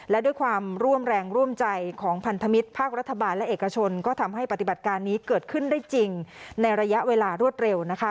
และด้วยความร่วมแรงร่วมใจของพันธมิตรภาครัฐบาลและเอกชนก็ทำให้ปฏิบัติการนี้เกิดขึ้นได้จริงในระยะเวลารวดเร็วนะคะ